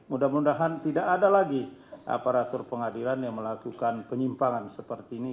mudah mudahan tidak ada lagi aparatur pengadilan yang melakukan penyimpangan seperti ini